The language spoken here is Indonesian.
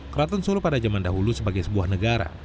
keraton solo pada zaman dahulu sebagai sebuah negara